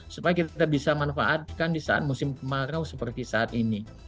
supaya kita bisa manfaatkan di saat musim kemarau seperti saat ini